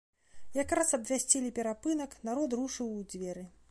Якраз абвясцілі перапынак, народ рушыў у дзверы.